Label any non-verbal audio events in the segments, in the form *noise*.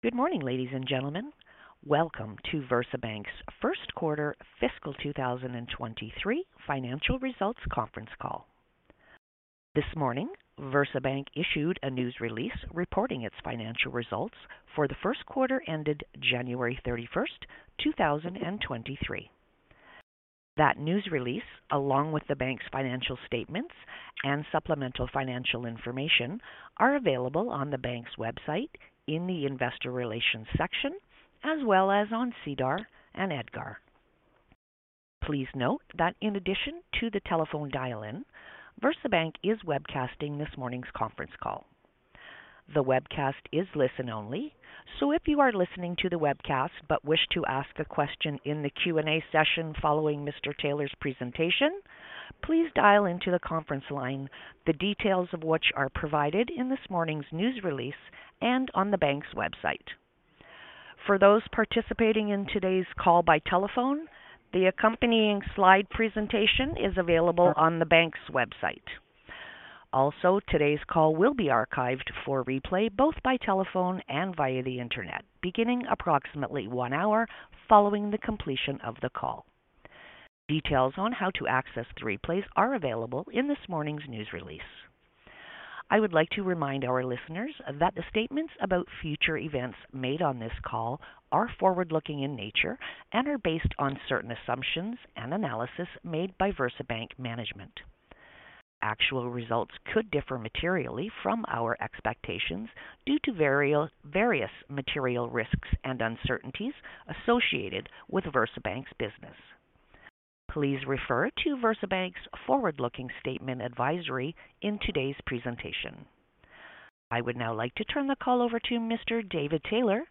Good morning, ladies and gentlemen. Welcome to VersaBank's Q1 Fiscal 2023 Financial Results Conference Call. This morning, VersaBank issued a news release reporting its financial results for the Q1 ended 31 January 2023. That news release, along with the bank's financial statements and supplemental financial information, are available on the bank's website in the investor relations section, as well as on SEDAR and EDGAR. Please note that in addition to the telephone dial-in, VersaBank is webcasting this morning's conference call. The webcast is listen only, so if you are listening to the webcast but wish to ask a question in the Q&A session following Mr. Taylor's presentation, please dial into the conference line, the details of which are provided in this morning's news release and on the bank's website. For those participating in today's call by telephone, the accompanying slide presentation is available on the bank's website. Today's call will be archived for replay both by telephone and via the Internet, beginning approximately one hour following the completion of the call. Details on how to access the replays are available in this morning's news release. I would like to remind our listeners that the statements about future events made on this call are forward-looking in nature and are based on certain assumptions and analysis made by VersaBank management. Actual results could differ materially from our expectations due to various material risks and uncertainties associated with VersaBank's business. Please refer to VersaBank's forward-looking statement advisory in today's presentation. I would now like to turn the call over to Mr. David Taylor,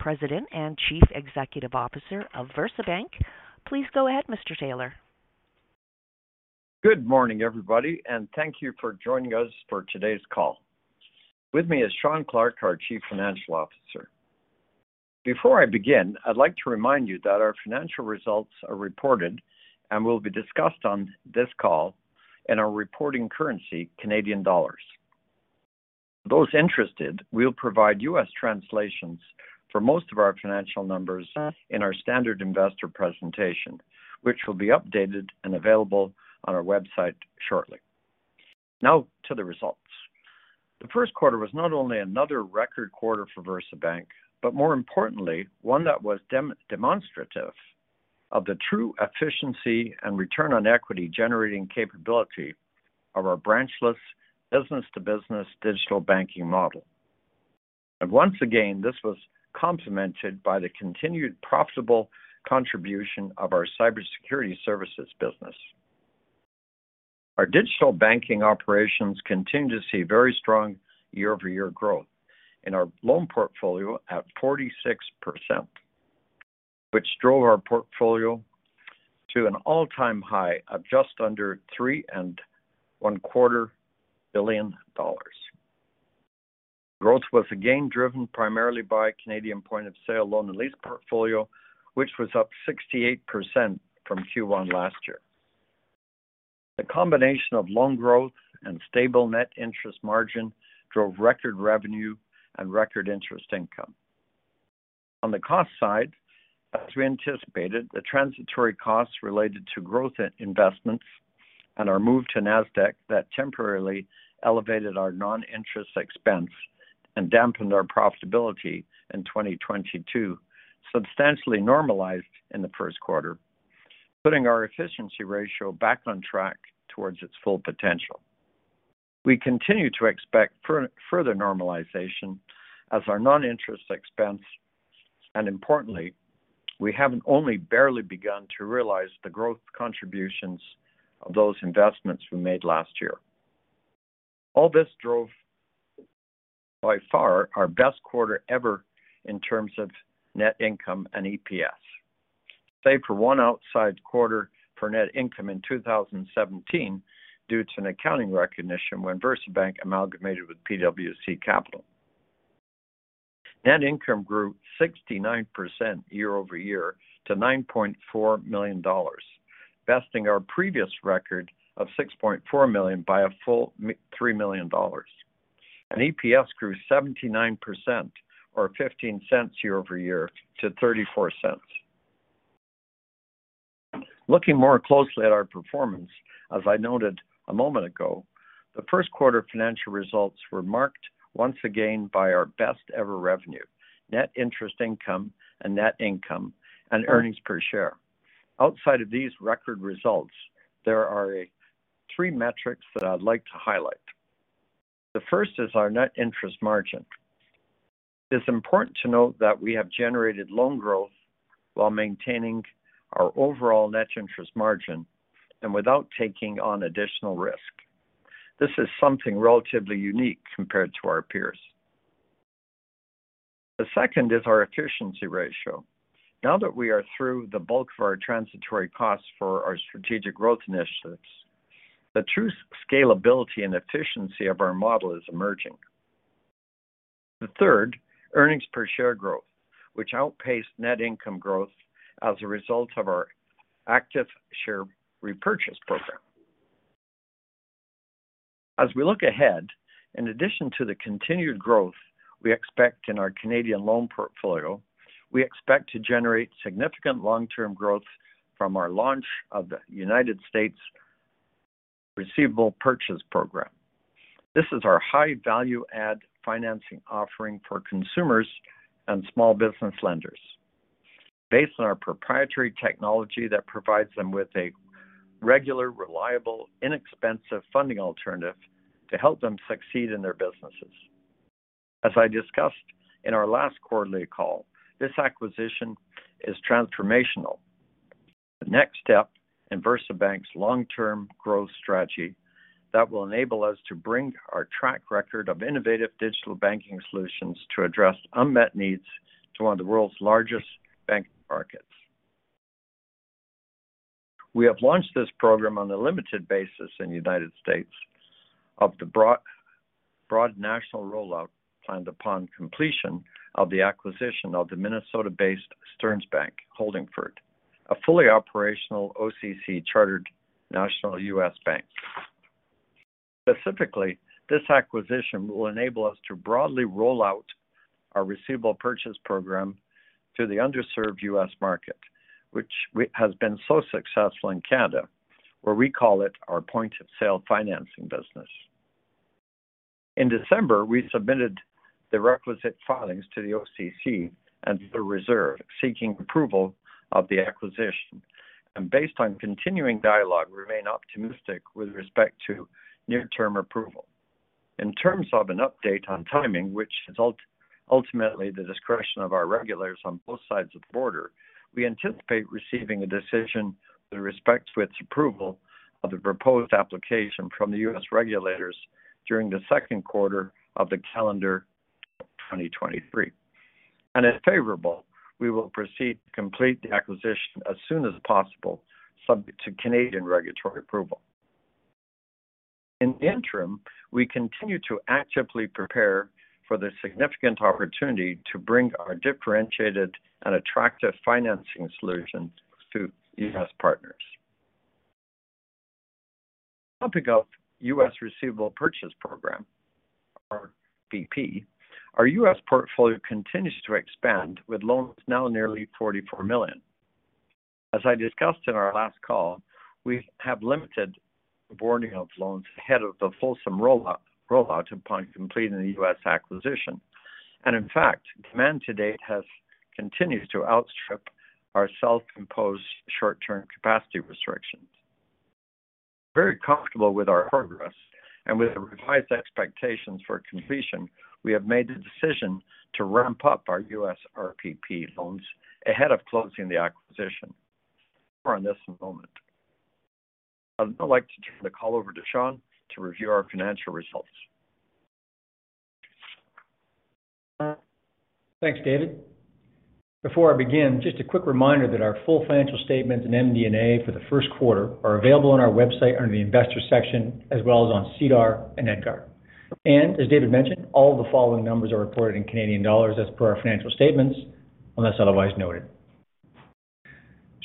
President and Chief Executive Officer of VersaBank. Please go ahead, Mr. Taylor. Good morning, everybody, thank you for joining us for today's call. With me is Shawn Clarke, our Chief Financial Officer. Before I begin, I'd like to remind you that our financial results are reported and will be discussed on this call in our reporting currency, Canadian dollars. For those interested, we'll provide U.S. translations for most of our financial numbers in our standard investor presentation, which will be updated and available on our website shortly. Now to the results. The Q1 was not only another record quarter for VersaBank, but more importantly, one that was demonstrative of the true efficiency and return on equity-generating capability of our branchless business-to-business digital banking model. Once again, this was complemented by the continued profitable contribution of our cybersecurity services business. Our digital banking operations continue to see very strong year-over-year growth in our loan portfolio at 46%, which drove our portfolio to an all-time high of just under three and one-quarter billion dollars. Growth was again driven primarily by Canadian point-of-sale loan and lease portfolio, which was up 68% from Q1 last year. The combination of loan growth and stable net interest margin drove record revenue and record interest income. On the cost side, as we anticipated, the transitory costs related to growth investments and our move to Nasdaq that temporarily elevated our non-interest expense and dampened our profitability in 2022 substantially normalized in the Q1, putting our efficiency ratio back on track towards its full potential. We continue to expect further normalization as our non-interest expense, and importantly, we have only barely begun to realize the growth contributions of those investments we made last year. All this drove by far our best quarter ever in terms of net income and EPS. Save for one outside quarter for net income in 2017 due to an accounting recognition when VersaBank amalgamated with PWC Capital. Net income grew 69% year-over-year to 9.4 million dollars, besting our previous record of 6.4 million by a full 3 million dollars. EPS grew 79% or 0.15 year-over-year to 0.34. Looking more closely at our performance, as I noted a moment ago, the Q1 financial results were marked once again by our best ever revenue, net interest income and net income and earnings per share. Outside of these record results, there are three metrics that I'd like to highlight. The first is our net interest margin. It's important to note that we have generated loan growth while maintaining our overall net interest margin and without taking on additional risk. This is something relatively unique compared to our peers. The second is our efficiency ratio. Now that we are through the bulk of our transitory costs for our strategic growth initiatives, the true scalability and efficiency of our model is emerging. The third, earnings per share growth, which outpaced net income growth as a result of our active share repurchase program. We look ahead, in addition to the continued growth we expect in our Canadian loan portfolio, we expect to generate significant long-term growth from our launch of the United States Receivable Purchase Program. This is our high-value-add financing offering for consumers and small business lenders based on our proprietary technology that provides them with a regular, reliable, inexpensive funding alternative to help them succeed in their businesses. As I discussed in our last quarterly call, this acquisition is transformational. The next step in VersaBank's long-term growth strategy that will enable us to bring our track record of innovative digital banking solutions to address unmet needs to one of the world's largest banking markets. We have launched this program on a limited basis in the United States of the broad national rollout planned upon completion of the acquisition of the Minnesota-based Stearns Bank Holdingford, a fully operational OCC chartered national U.S. bank. Specifically, this acquisition will enable us to broadly roll out our Receivable Purchase Program to the underserved U.S. market, which has been so successful in Canada, where we call it our point-of-sale financing business. In December, we submitted the requisite filings to the OCC and the Reserve seeking approval of the acquisition. Based on continuing dialogue, remain optimistic with respect to near-term approval. In terms of an update on timing, which is ultimately the discretion of our regulators on both sides of the border, we anticipate receiving a decision with respect to its approval of the proposed application from the U.S. regulators during the Q2 of the calendar 2023. If favorable, we will proceed to complete the acquisition as soon as possible subject to Canadian regulatory approval. In the interim, we continue to actively prepare for the significant opportunity to bring our differentiated and attractive financing solutions to U.S. partners. Topic of U.S. Receivable Purchase Program or RPP. Our U.S. portfolio continues to expand, with loans now nearly $44 million. As I discussed in our last call, we have limited boarding of loans ahead of the fulsome rollout upon completing the U.S. acquisition. In fact, demand to date has continued to outstrip our self-imposed short-term capacity restrictions. Very comfortable with our progress and with the revised expectations for completion, we have made the decision to ramp up our U.S. RPP loans ahead of closing the acquisition. More on this in a moment. I'd now like to turn the call over to Shawn to review our financial results. Thanks, David. Before I begin, just a quick reminder that our full financial statements and MD&A for the Q1 are available on our website under the Investors section, as well as on SEDAR and EDGAR. As David mentioned, all the following numbers are reported in Canadian dollars as per our financial statements, unless otherwise noted.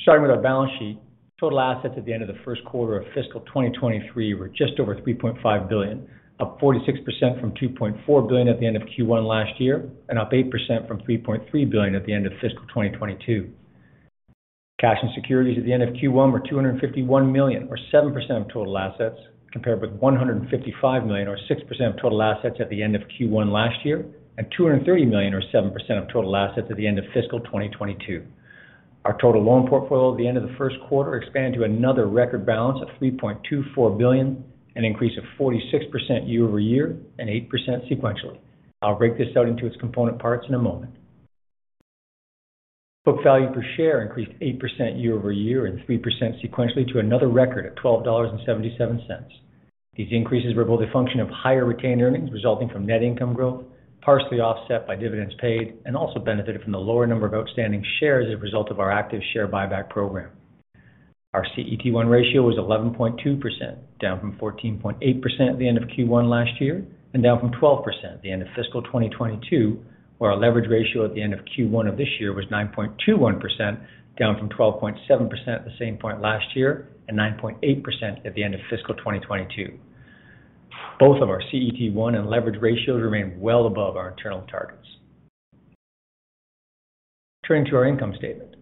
Starting with our balance sheet. Total assets at the end of the Q1 of fiscal 2023 were just over CAD 3.5 billion, up 46% from CAD 2.4 billion at the end of Q1 last year, and up 8% from CAD 3.3 billion at the end of fiscal 2022. Cash and securities at the end of Q1 were CAD 251 million, or 7% of total assets, compared with CAD 155 million or 6% of total assets at the end of Q1 last year, and CAD 230 million or 7% of total assets at the end of fiscal 2022. Our total loan portfolio at the end of the Q1 expanded to another record balance of 3.24 billion, an increase of 46% year-over-year and 8% sequentially. I'll break this out into its component parts in a moment. Book value per share increased 8% year-over-year and 3% sequentially to another record at 12.77 dollars. These increases were both a function of higher retained earnings resulting from net income growth, partially offset by dividends paid, and also benefited from the lower number of outstanding shares as a result of our active share buyback program. Our CET1 ratio was 11.2%, down from 14.8% at the end of Q1 last year and down from 12% at the end of fiscal 2022, where our leverage ratio at the end of Q1 of this year was 9.21%, down from 12.7% at the same point last year and 9.8% at the end of fiscal 2022. Both of our CET1 and leverage ratios remain well above our internal targets. Turning to our income statement.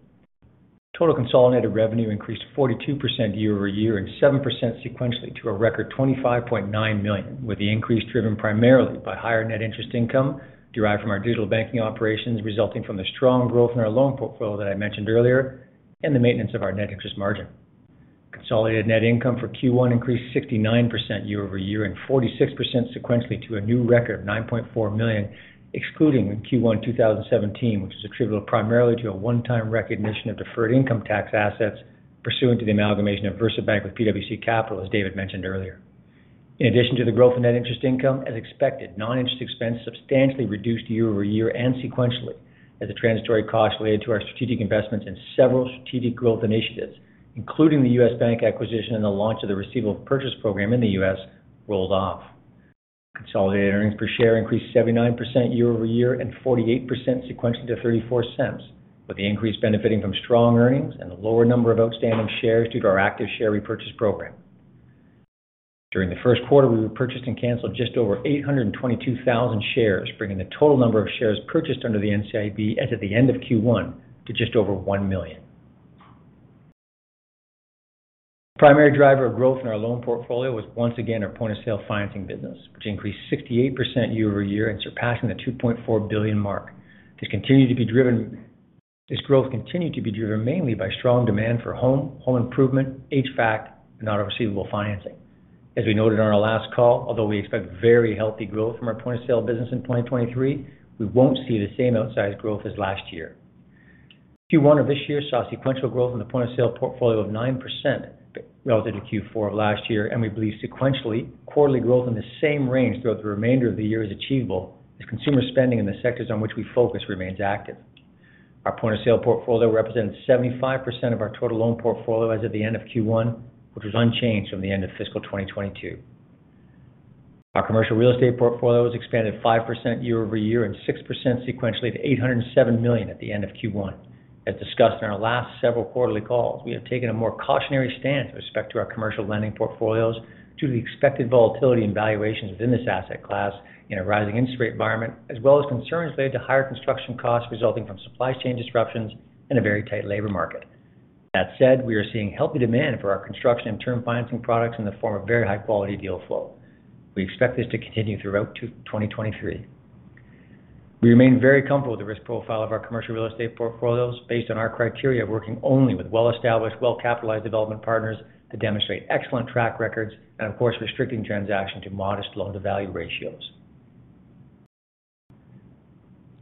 Total consolidated revenue increased 42% year-over-year and 7% sequentially to a record 25.9 million, with the increase driven primarily by higher net interest income derived from our digital banking operations, resulting from the strong growth in our loan portfolio that I mentioned earlier and the maintenance of our net interest margin. Consolidated net income for Q1 increased 69% year-over-year and 46% sequentially to a new record, 9.4 million, excluding Q1 2017, which is attributable primarily to a one-time recognition of deferred income tax assets pursuant to the amalgamation of VersaBank with PWC Capital, as David mentioned earlier. In addition to the growth in net interest income, as expected, non-interest expense substantially reduced year-over-year and sequentially as a transitory cost related to our strategic investments in several strategic growth initiatives, including the U.S. bank acquisition and the launch of the Receivable Purchase Program in the U.S. rolled off. Consolidated earnings per share increased 79% year-over-year and 48% sequentially to 0.34, with the increase benefiting from strong earnings and the lower number of outstanding shares due to our active share repurchase program. During the Q1, we repurchased and canceled just over 822,000 shares, bringing the total number of shares purchased under the NCIB as of the end of Q1 to just over one million. The primary driver of growth in our loan portfolio was once again our point-of-sale financing business, which increased 68% year-over-year and surpassing the 2.4 billion mark. This growth continued to be driven mainly by strong demand for home improvement, HVAC, and auto receivable financing. As we noted on our last call, although we expect very healthy growth from our point-of-sale business in 2023, we won't see the same outsized growth as last year. Q1 of this year saw sequential growth in the point-of-sale portfolio of 9% relative to Q4 of last year, and we believe sequentially quarterly growth in the same range throughout the remainder of the year is achievable as consumer spending in the sectors on which we focus remains active. Our point-of-sale portfolio represents 75% of our total loan portfolio as of the end of Q1, which was unchanged from the end of fiscal 2022. Our commercial real estate portfolio has expanded 5% year-over-year and 6% sequentially to 807 million at the end of Q1. As discussed in our last several quarterly calls, we have taken a more cautionary stance with respect to our commercial lending portfolios due to the expected volatility and valuations within this asset class in a rising interest rate environment, as well as concerns related to higher construction costs resulting from supply chain disruptions in a very tight labor market. That said, we are seeing healthy demand for our construction and term financing products in the form of very high-quality deal flow. We expect this to continue throughout 2023. We remain very comfortable with the risk profile of our commercial real estate portfolios based on our criteria of working only with well-established, well-capitalized development partners that demonstrate excellent track records and of course, restricting transaction to modest loan-to-value ratios.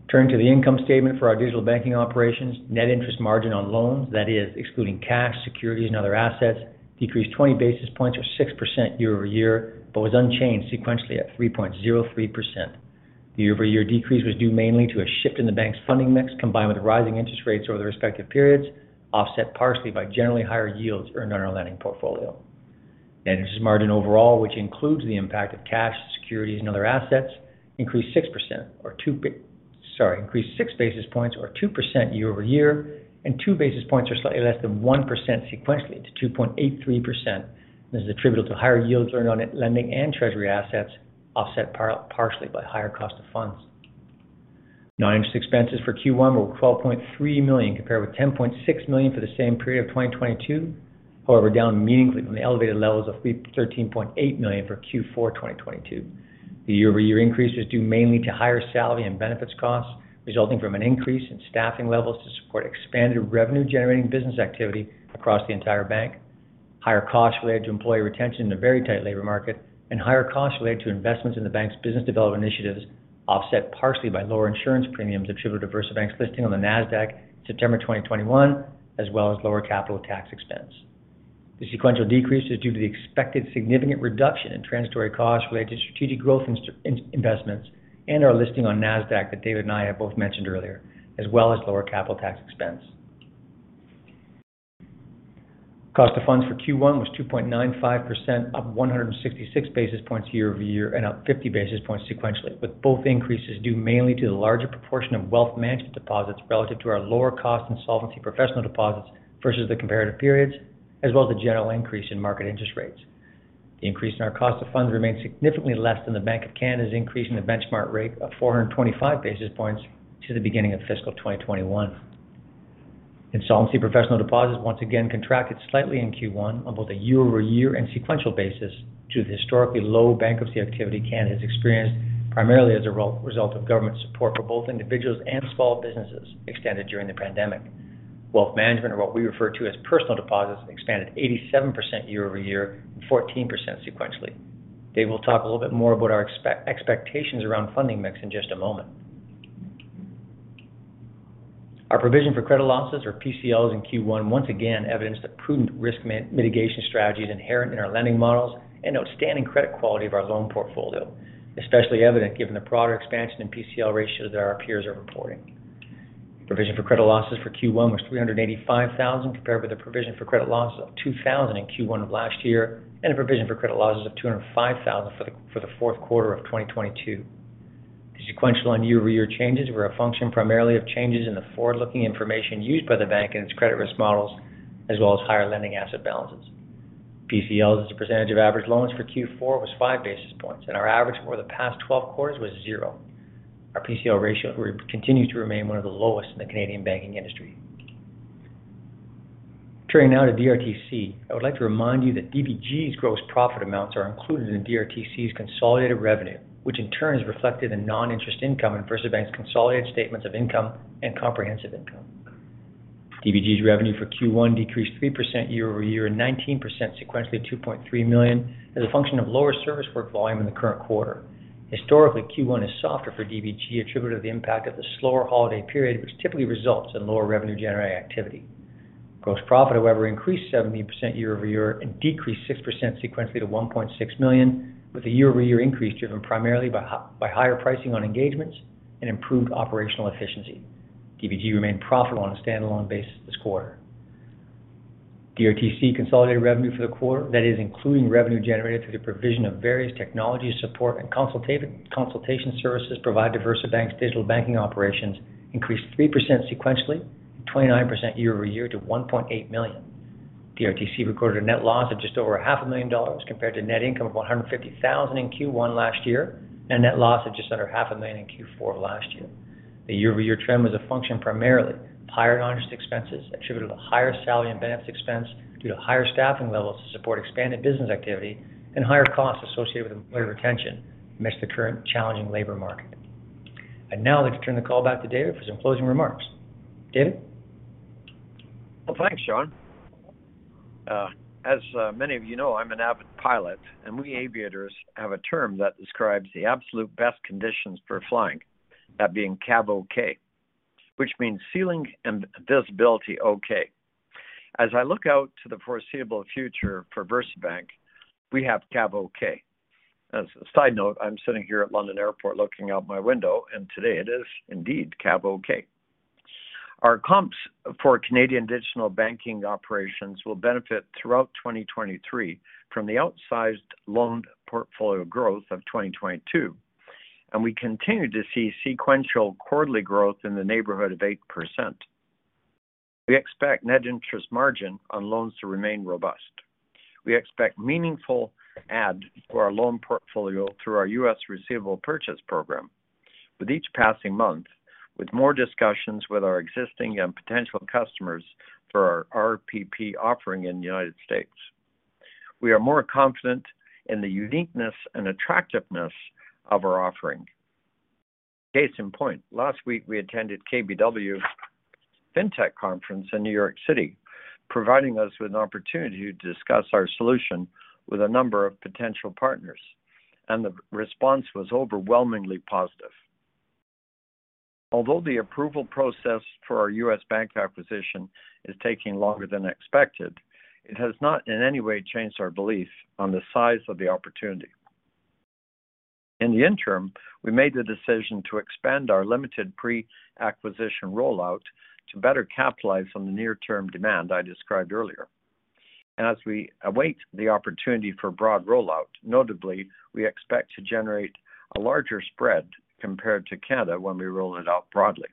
Turning to the income statement for our digital banking operations, net interest margin on loans, that is excluding cash, securities, and other assets, decreased 20 basis points or 6% year-over-year, but was unchanged sequentially at 3.03%. The year-over-year decrease was due mainly to a shift in the bank's funding mix, combined with rising interest rates over the respective periods, offset partially by generally higher yields earned on our lending portfolio. Net interest margin overall, which includes the impact of cash, securities, and other assets, increased 6 basis points or 2% year-over-year, and two basis points are slightly less than 1% sequentially to 2.83%. This is attributable to higher yields earned on lending and Treasury assets, offset partially by higher cost of funds. Non-interest expenses for Q1 were 12.3 million, compared with 10.6 million for the same period of 2022. Down meaningfully from the elevated levels of 13.8 million for Q4 2022. The year-over-year increase was due mainly to higher salary and benefits costs, resulting from an increase in staffing levels to support expanded revenue-generating business activity across the entire bank. Higher costs related to employee retention in a very tight labor market and higher costs related to investments in the bank's business development initiatives, offset partially by lower insurance premiums attributable to VersaBank's listing on the Nasdaq September 2021, as well as lower capital tax expense. The sequential decrease is due to the expected significant reduction in transitory costs related to strategic growth investments and our listing on Nasdaq that David and I have both mentioned earlier, as well as lower capital tax expense. Cost of funds for Q1 was 2.95%, up 166 basis points year-over-year and up 50 basis points sequentially, with both increases due mainly to the larger proportion of wealth management deposits relative to our lower cost and solvency professional deposits versus the comparative periods, as well as the general increase in market interest rates. The increase in our cost of funds remains significantly less than the Bank of Canada's increase in the benchmark rate of 425 basis points to the beginning of fiscal 2021. Insolvency professional deposits once again contracted slightly in Q1 on both a year-over-year and sequential basis due to the historically low bankruptcy activity Canada has experienced primarily as a result of government support for both individuals and small businesses extended during the pandemic. Wealth management, or what we refer to as personal deposits, expanded 87% year-over-year and 14% sequentially. Dave will talk a little bit more about our expectations around funding mix in just a moment. Our provision for credit losses, or PCLs, in Q1 once again evidenced the prudent risk mitigation strategies inherent in our lending models and outstanding credit quality of our loan portfolio, especially evident given the broader expansion in PCL ratios that our peers are reporting. Provision for credit losses for Q1 was 385,000 compared with a provision for credit losses of 2,000 in Q1 of last year, and a provision for credit losses of 205,000 for the Q4 of 2022. The sequential and year-over-year changes were a function primarily of changes in the forward-looking information used by the bank in its credit risk models, as well as higher lending asset balances. PCLs as a % of average loans for Q4 was five basis points, and our average for the past 12 quarters was zero. Our PCL ratio continues to remain one of the lowest in the Canadian banking industry. Turning now to DRTC, I would like to remind you that DBG's gross profit amounts are included in DRTC's consolidated revenue, which in turn is reflected in non-interest income in VersaBank's consolidated statements of income and comprehensive income. DBG's revenue for Q1 decreased 3% year-over-year and 19% sequentially to 2.3 million as a function of lower service work volume in the current quarter. Historically, Q1 is softer for DBG attributable to the impact of the slower holiday period, which typically results in lower revenue-generating activity. Gross profit, however, increased 17% year-over-year and decreased 6% sequentially to 1.6 million, with the year-over-year increase driven primarily by higher pricing on engagements and improved operational efficiency. DBG remained profitable on a standalone basis this quarter. DRTC consolidated revenue for the quarter, that is including revenue generated through the provision of various technology support and consultation services provide VersaBank's digital banking operations increased 3% sequentially, 29% year-over-year to 1.8 million. DRTC recorded a net loss of just over a half a million dollars compared to net income of 150,000 in Q1 last year, and net loss of just under half a million in Q4 last year. The year-over-year trend was a function primarily of higher non-interest expenses attributed to higher salary and benefits expense due to higher staffing levels to support expanded business activity and higher costs associated with employee retention amidst the current challenging labor market. I'd now like to turn the call back to David for some closing remarks. David. Well, thanks, Shawn. As many of you know, I'm an avid pilot, and we aviators have a term that describes the absolute best conditions for flying, that being CAVOK, which means ceiling and visibility okay. As I look out to the foreseeable future for VersaBank, we have CAVOK. As a side note, I'm sitting here at London Airport looking out my window, and today it is indeed CAVOK. Our comps for Canadian digital banking operations will benefit throughout 2023 from the outsized loan portfolio growth of 2022. We continue to see sequential quarterly growth in the neighborhood of 8%. We expect net interest margin on loans to remain robust. We expect meaningful add to our loan portfolio through our U.S. Receivable Purchase Program. With each passing month, with more discussions with our existing and potential customers for our RPP offering in the United States, we are more confident in the uniqueness and attractiveness of our offering. Case in point, last week we attended KBW Fintech Conference in New York City, providing us with an opportunity to discuss our solution with a number of potential partners, and the response was overwhelmingly positive. Although the approval process for our U.S. bank acquisition is taking longer than expected, it has not in any way changed our belief on the size of the opportunity. In the interim, we made the decision to expand our limited pre-acquisition rollout to better capitalize on the near-term demand I described earlier. As we await the opportunity for broad rollout, notably, we expect to generate a larger spread compared to Canada when we roll it out broadly.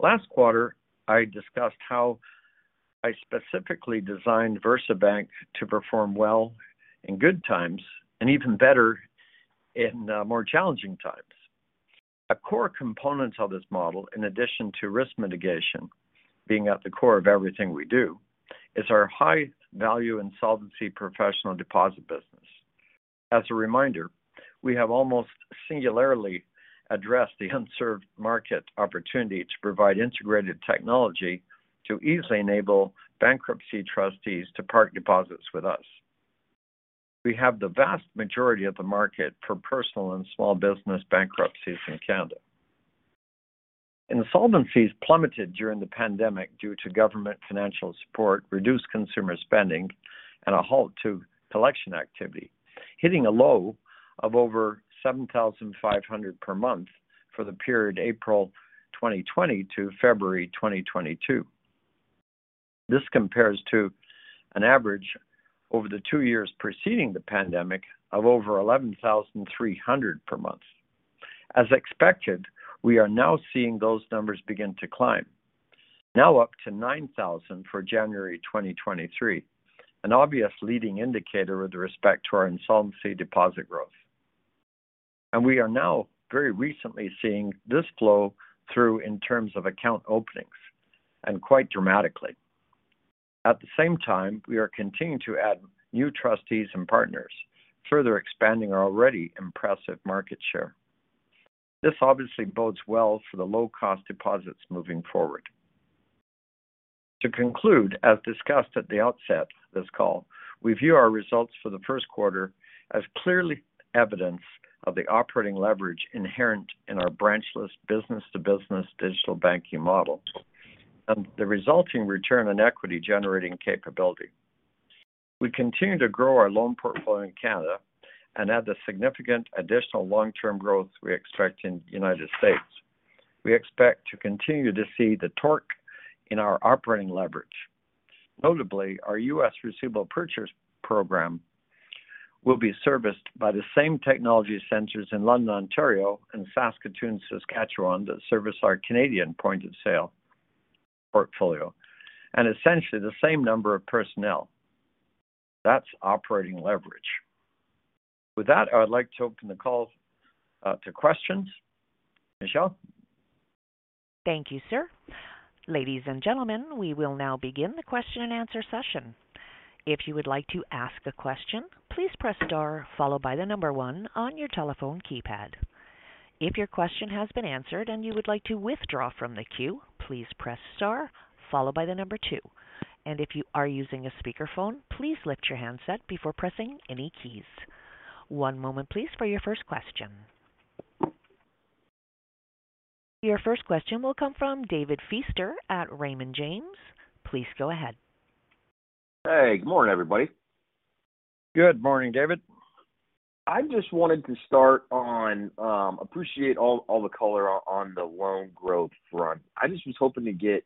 Last quarter, I discussed how I specifically designed VersaBank to perform well in good times and even better in more challenging times. A core component of this model, in addition to risk mitigation being at the core of everything we do, is our high value insolvency professional deposit business. As a reminder, we have almost singularly addressed the unserved market opportunity to provide integrated technology to easily enable bankruptcy trustees to park deposits with us. We have the vast majority of the market for personal and small business bankruptcies in Canada. Insolvencies plummeted during the pandemic due to government financial support, reduced consumer spending, and a halt to collection activity, hitting a low of over 7,500 per month for the period April 2020 to February 2022. This compares to an average over the two years preceding the pandemic of over 11,300 per month. As expected, we are now seeing those numbers begin to climb. Up to 9,000 for January 2023, an obvious leading indicator with respect to our insolvency deposit growth. We are now very recently seeing this flow through in terms of account openings, and quite dramatically. At the same time, we are continuing to add new trustees and partners, further expanding our already impressive market share. This obviously bodes well for the low-cost deposits moving forward. To conclude, as discussed at the outset of this call, we view our results for the Q1 as clearly evidence of the operating leverage inherent in our branchless business-to-business digital banking model and the resulting return on equity generating capability. We continue to grow our loan portfolio in Canada and add the significant additional long-term growth we expect in the United States. We expect to continue to see the torque in our operating leverage. Notably, our U.S. Receivable Purchase Program will be serviced by the same technology centers in London, Ontario, and Saskatoon, Saskatchewan, that service our Canadian point-of-sale portfolio and essentially the same number of personnel. That's operating leverage. With that, I would like to open the call to questions. Michelle. Thank you, sir. Ladies and gentlemen, we will now begin the question and answer session. If you would like to ask a question, please press star followed by one on your telephone keypad. If your question has been answered and you would like to withdraw from the queue, please press star followed by two. If you are using a speakerphone, please lift your handset before pressing any keys. One moment please for your first question. Your first question will come from David Feaster at Raymond James. Please go ahead. Hey, good morning, everybody. Good morning, David. I just wanted to start on, appreciate all the color on the loan growth front. I just was hoping to get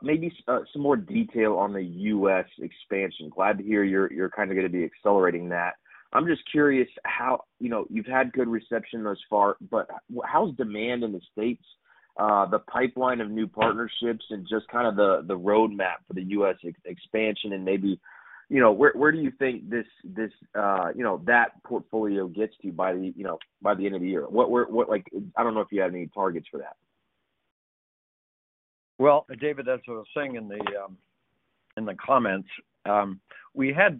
maybe some more detail on the U.S. expansion. Glad to hear you're kinda gonna be accelerating that. I'm just curious how, you know, you've had good reception thus far, but how's demand in the States, the pipeline of new partnerships and just kind of the roadmap for the U.S. expansion and maybe, you know, where do you think this, you know, that portfolio gets you by the end of the year? I don't know if you have any targets for that. Well, David, that's what I was saying in the comments. We had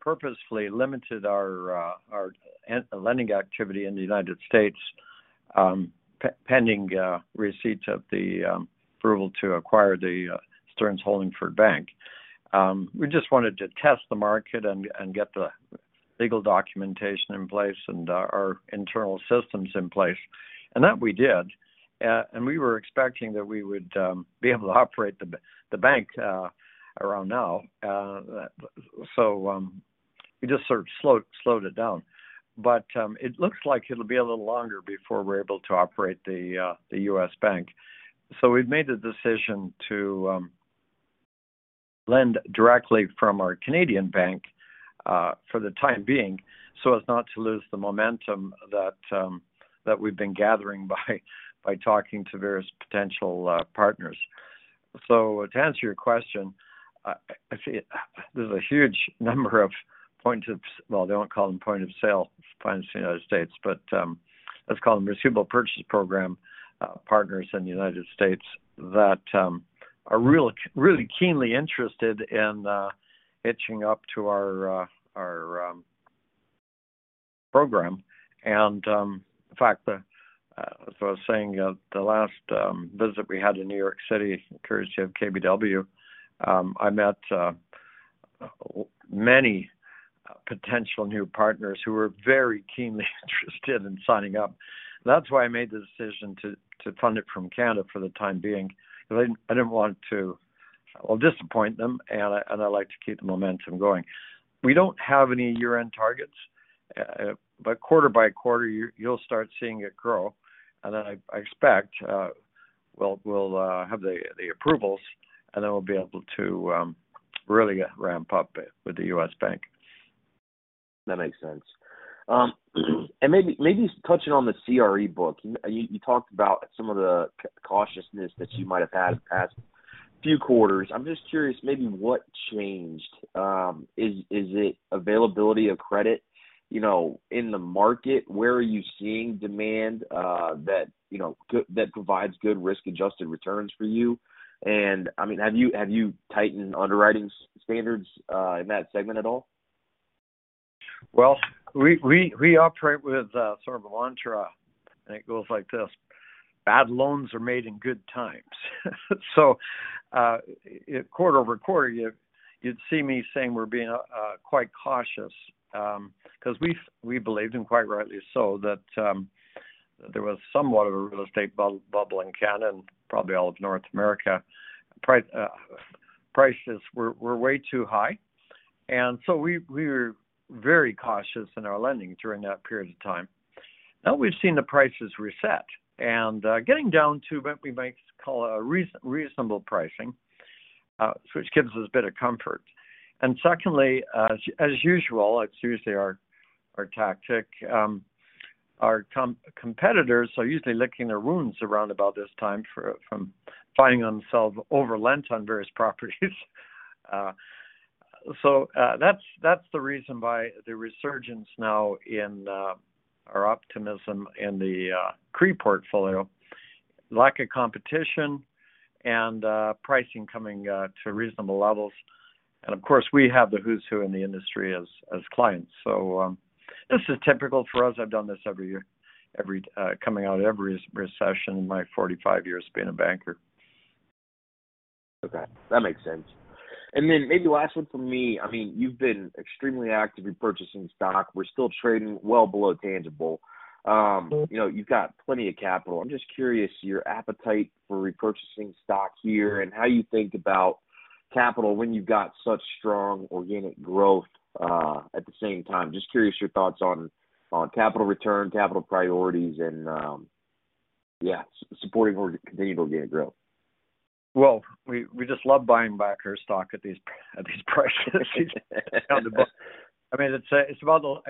purposefully limited our lending activity in the United States pending receipt of the approval to acquire the Stearns Bank Holdingford, N.A. We just wanted to test the market and get the legal documentation in place and our internal systems in place. That we did. We were expecting that we would be able to operate the bank around now. We just sort of slowed it down. It looks like it'll be a little longer before we're able to operate the U.S. bank. We've made the decision to lend directly from our Canadian bank for the time being, so as not to lose the momentum that we've been gathering by talking to various potential partners. To answer your question, I see there's a huge number of point of, well, they don't call them point-of-sale points in the United States, but let's call them Receivable Purchase Program partners in the United States that are really keenly interested in etching up to our program. In fact, as I was saying at the last visit we had in New York City, courtesy of KBW, I met many potential new partners who were very keenly interested in signing up. That's why I made the decision to fund it from Canada for the time being, because I didn't want to disappoint them, and I like to keep the momentum going. We don't have any year-end targets, but quarter by quarter, you'll start seeing it grow. I expect we'll have the approvals, and then we'll be able to really ramp up it with the U.S. Bank. That makes sense. Maybe touching on the CRE book. You talked about some of the cautiousness that you might have had the past few quarters. I'm just curious maybe what changed. Is it availability of credit, you know, in the market? Where are you seeing demand, that, you know, that provides good risk-adjusted returns for you? I mean, have you tightened underwriting standards in that segment at all? We operate with sort of a mantra, and it goes like this: Bad loans are made in good times. Quarter-over-quarter, you'd see me saying we're being quite cautious, 'cause we believed, and quite rightly so, that there was somewhat of a real estate bubble in Canada and probably all of North America. Prices were way too high. We were very cautious in our lending during that period of time. Now we've seen the prices reset and getting down to what we might call a reasonable pricing, which gives us a bit of comfort. Secondly, as usual, it's usually our tactic. Our competitors are usually licking their wounds around about this time from finding themselves overlent on various properties. That's the reason why the resurgence now in our optimism in the CRE portfolio, lack of competition and pricing coming to reasonable levels. Of course, we have the who's who in the industry as clients. This is typical for us. I've done this every year, coming out of every recession in my 45 years of being a banker. Okay, that makes sense. Then maybe last one for me. You've been extremely active repurchasing stock. We're still trading well below tangible. You know, you've got plenty of capital. I'm just curious your appetite for repurchasing stock here and how you think about capital when you've got such strong organic growth at the same time. Just curious your thoughts on capital return, capital priorities, and, yeah, supporting or continued organic growth? Well, we just love buying back our stock at these prices. I mean, it's about the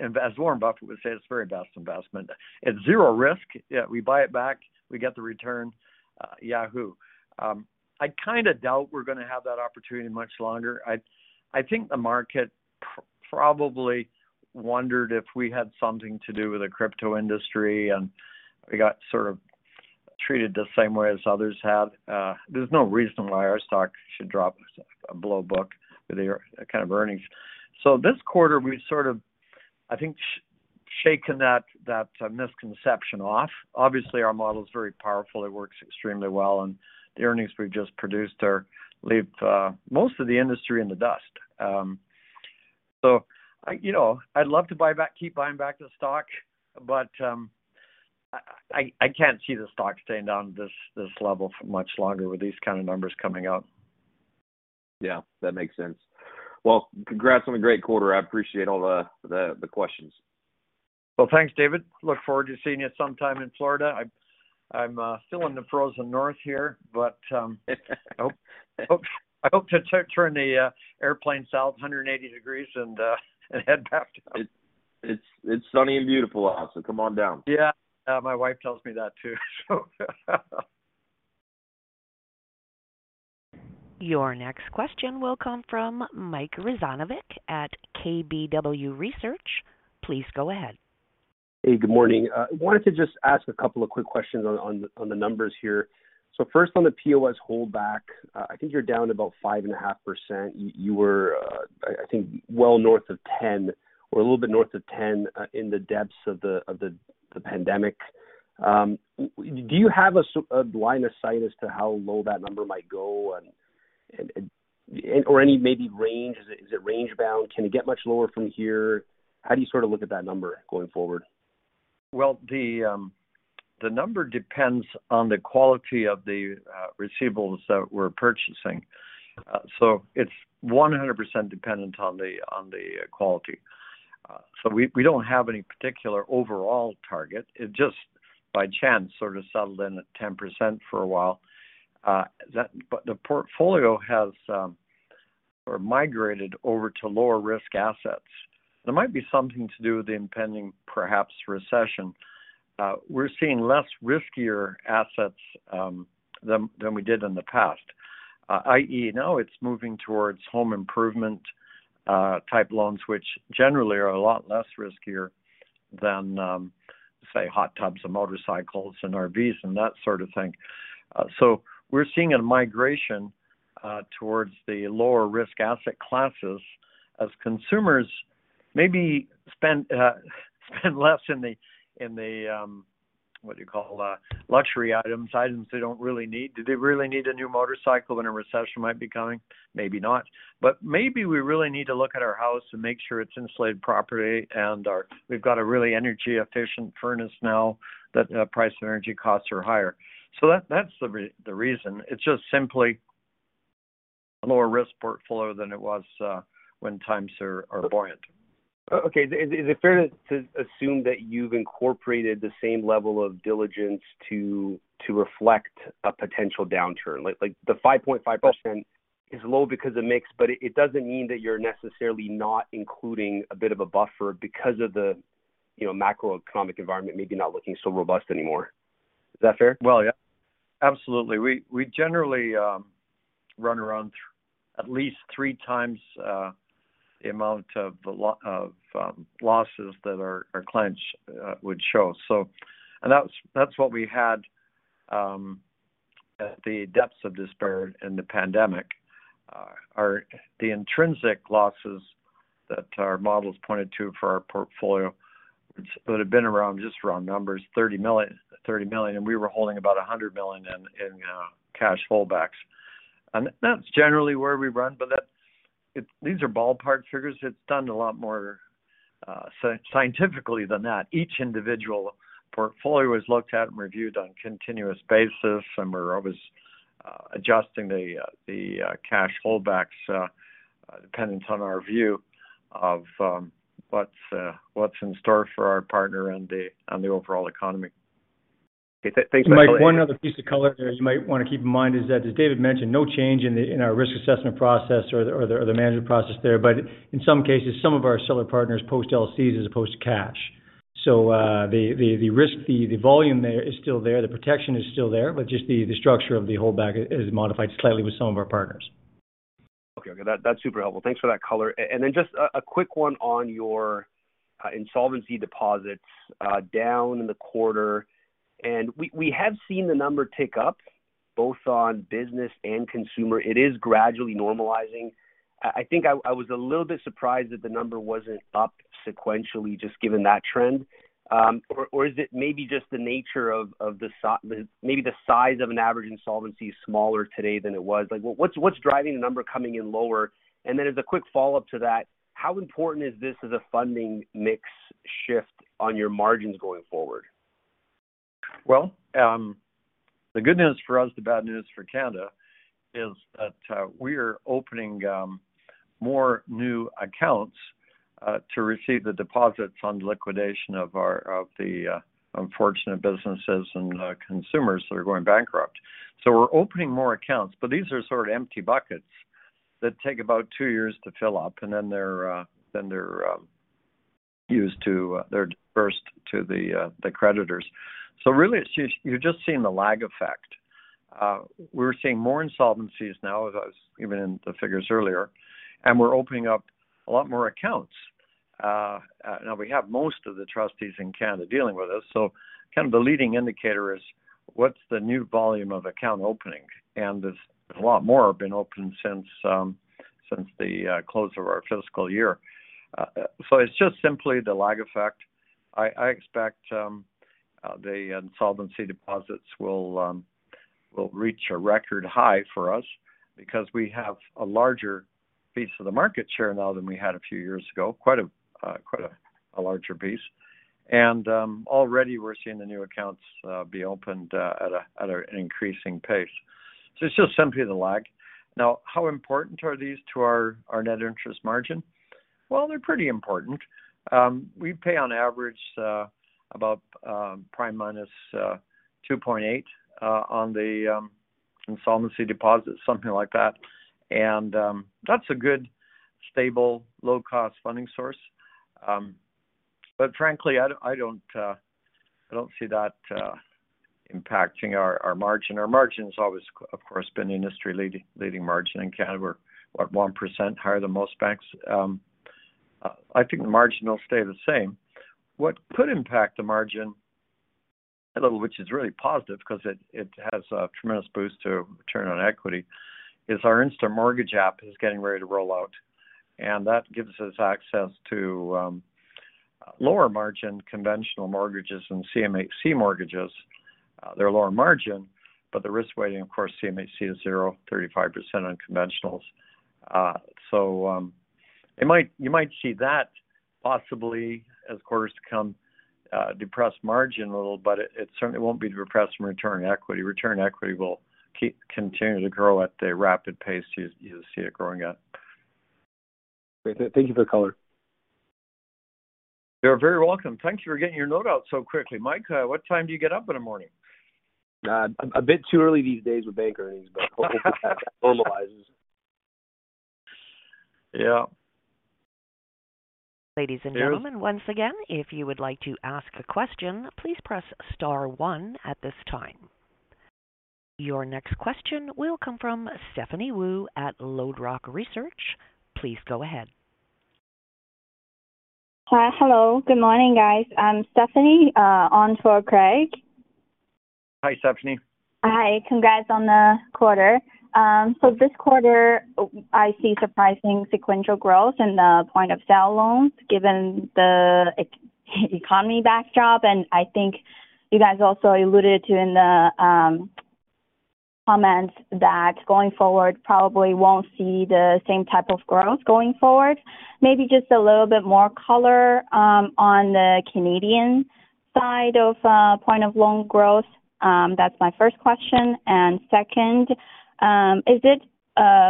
invest. Warren Buffett would say it's very best investment. It's zero risk. We buy it back, we get the return. yahoo. I kinda doubt we're gonna have that opportunity much longer. I think the market probably wondered if we had something to do with the crypto industry, and we got sort of treated the same way as others have. there's no reason why our stock should drop below book with their kind of earnings. this quarter, we've sort of, I think, shaken that misconception off. Obviously, our model is very powerful. It works extremely well, and the earnings we've just produced leave most of the industry in the dust. I, you know, I'd love to keep buying back the stock, but I can't see the stock staying down this level for much longer with these kind of numbers coming up. Yeah, that makes sense. Well, congrats on a great quarter. I appreciate all the questions. Well, thanks David. Look forward to seeing you sometime in Florida. I'm still in the frozen north here, but I hope to turn the airplane south 180 degrees and head back down. It's sunny and beautiful out, so come on down. Yeah. Yeah. My wife tells me that too. So. Your next question will come from Mike Rizvanovic at KBW Research. Please go ahead. Hey, good morning. Wanted to just ask a couple of quick questions on the numbers here. First on the POS holdback, I think you're down about 5.5%. You were, I think well north of 10 or a little bit north of 10 in the depths of the pandemic. Do you have a line of sight as to how low that number might go and. Or any maybe range? Is it range bound? Can it get much lower from here? How do you sort of look at that number going forward? The number depends on the quality of the receivables that we're purchasing. It's 100% dependent on the quality. We don't have any particular overall target. It just by chance sort of settled in at 10% for a while. The portfolio has sort of migrated over to lower risk assets. There might be something to do with the impending perhaps recession. We're seeing less riskier assets than we did in the past. I.e., now it's moving towards home improvement type loans, which generally are a lot less riskier than say, hot tubs and motorcycles and RVs and that sort of thing. We're seeing a migration, towards the lower risk asset classes as consumers maybe spend less in the, in the, what do you call, luxury items they don't really need. Do they really need a new motorcycle when a recession might be coming? Maybe not. Maybe we really need to look at our house and make sure it's insulated properly and we've got a really energy efficient furnace now that the price of energy costs are higher. That, that's the reason. It's just simply a lower risk portfolio than it was, when times are buoyant. Okay. Is it fair to assume that you've incorporated the same level of diligence to reflect a potential downturn? Like the 5.5% is low because of mix, but it doesn't mean that you're necessarily not including a bit of a buffer because of the, you know, macroeconomic environment maybe not looking so robust anymore. Is that fair? Well, yeah. Absolutely. We generally run around at least three times the amount of losses that our clients would show. That's what we had at the depths of despair in the pandemic. The intrinsic losses that our models pointed to for our portfolio would have been around, just round numbers, 30 million, and we were holding about 100 million in cash holdbacks. That's generally where we run, but these are ballpark figures. It's done a lot more scientifically than that. Each individual portfolio is looked at and reviewed on continuous basis, and we're always adjusting the cash holdbacks dependent on our view of what's in store for our partner and the overall economy. Okay. thanks for that *crosstalk* Mike, one other piece of color you might wanna keep in mind is that, as David mentioned, no change in our risk assessment process or the management process there. In some cases, some of our seller partners post LCs as opposed to cash. The risk, the volume there is still there, the protection is still there, but just the structure of the holdback is modified slightly with some of our partners. Okay. Okay, that's super helpful. Thanks for that color. Then just a quick one on your insolvency deposits down in the quarter. We have seen the number tick up both on business and consumer. It is gradually normalizing. I think I was a little bit surprised that the number wasn't up sequentially just given that trend. Or is it maybe just the nature of maybe the size of an average insolvency is smaller today than it was? Like, what's driving the number coming in lower? Then as a quick follow-up to that, how important is this as a funding mix shift on your margins going forward? Well, the good news for us, the bad news for Canada is that we are opening more new accounts to receive the deposits on liquidation of our, of the unfortunate businesses and consumers that are going bankrupt. We're opening more accounts, but these are sort of empty buckets that take about two years to fill up, and then they're dispersed to the creditors. Really, you're just seeing the lag effect. We're seeing more insolvencies now, as I was giving in the figures earlier, and we're opening up a lot more accounts. Now, we have most of the trustees in Canada dealing with us, kind of the leading indicator is what's the new volume of account openings? There's a lot more have been opened since the close of our fiscal year. So it's just simply the lag effect. I expect the insolvency deposits will reach a record high for us because we have a larger piece of the market share now than we had a few years ago. Quite a larger piece. Already we're seeing the new accounts be opened at a, at an increasing pace. So it's just simply the lag. Now, how important are these to our net interest margin? Well, they're pretty important. We pay on average about prime -2.8 on the insolvency deposit, something like that. That's a good, stable, low-cost funding source. Frankly, I don't, I don't, I don't see that impacting our margin. Our margin has always of course been industry leading margin in Canada. We're, what, 1% higher than most banks. I think the margin will stay the same. What could impact the margin, which is really positive because it has a tremendous boost to return on equity, is our Instant Mortgage app is getting ready to roll out, and that gives us access to lower margin conventional mortgages and CMHC mortgages. They're lower margin, but the risk weighting, of course, CMHC is 0%, 35% on conventionals. You might see that possibly as quarters come depress margin a little, but it certainly won't be depressed from return on equity. Return on equity will keep continuing to grow at the rapid pace you see it growing at. Great. Thank you for the color. You're very welcome. Thank you for getting your note out so quickly. Mike, what time do you get up in the morning? A bit too early these days with bank earnings. Hopefully that globalizes. Yeah. Ladies and gentlemen, once again, if you would like to ask a question, please press star one at this time. Your next question will come from Stephanie Woo at LodeRock Research. Please go ahead. Hi. Hello. Good morning, guys. I'm Stephanie, on for Craig. Hi, Stephanie. Hi. Congrats on the quarter. This quarter, I see surprising sequential growth in the point of sale loans given the economy backdrop, and I think you guys also alluded to in the comments that going forward probably won't see the same type of growth going forward. Maybe just a little bit more color on the Canadian side of point of loan growth. That's my first question. Second, is it